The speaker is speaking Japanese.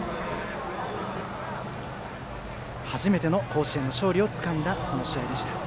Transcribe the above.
初めての甲子園の勝利をつかんだこの試合でした。